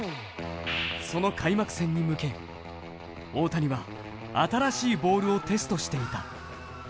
その開幕戦に向け大谷は新しいボールをテストしていた。